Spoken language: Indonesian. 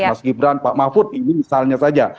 mas gibran pak mahfud ini misalnya saja